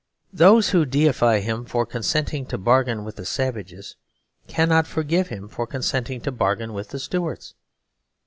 Those who deify him for consenting to bargain with the savages cannot forgive him for consenting to bargain with the Stuarts.